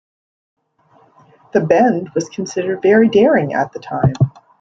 The "bend" was considered very daring at the time.